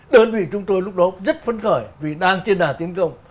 đơn vị chúng tôi lúc đó rất phấn khởi vì đang trên đà tiến công